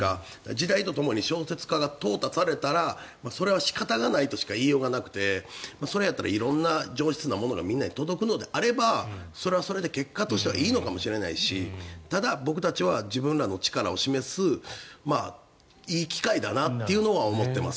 時代とともに小説家がとう汰されたらそれは仕方がないとしか言いようがなくて上質なものがみんなに届くのであればそれはそれで結果としてはいいのかもしれないしただ、僕たちは自分らの力を示すいい機会だなというのは思っています。